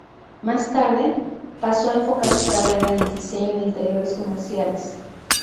Más tarde, pasó a enfocar su carrera en el diseño de interiores comerciales.